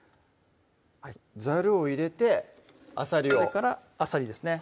ザルを入れてあさりをそれからあさりですね